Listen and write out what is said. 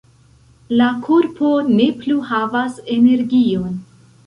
La korpo ne plu havas energion